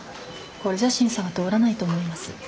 これじゃ審査は通らないと思います。